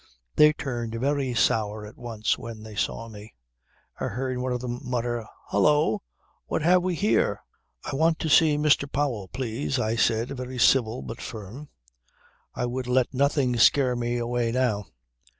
They turned very sour at once when they saw me. I heard one of them mutter 'Hullo! What have we here?' "'I want to see Mr. Powell, please,' I said, very civil but firm; I would let nothing scare me away now.